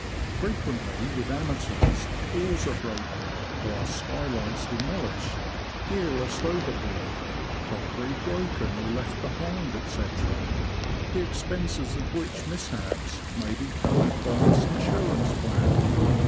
Frequently, with amateurs, oars are broken, glass skylights de molished, gear lost overboard, crockery broken or left behind, &c., the expenses of which mishaps may be covered by this insurance plan.